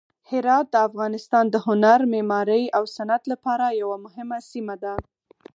هرات د افغانستان د هنر، معمارۍ او صنعت لپاره یوه مهمه سیمه ده.